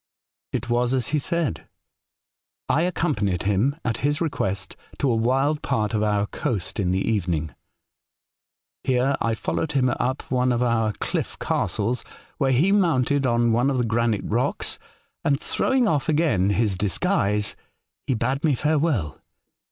"It was as he said. I accompanied him, at his request, to a wild part of our coast in the evening. Here I followed him up one of our cliff castles, where he mounted on one of the granite rocks, and, throwing off again his dis guise, he bade me farewell.